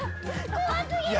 怖すぎる！